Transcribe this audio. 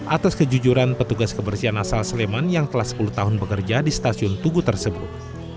atas kejujuran petugas kebersihan asal sleman yang telah sepuluh tahun bekerja di stasiun tugu tersebut